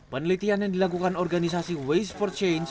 penelitian yang dilakukan organisasi waste for change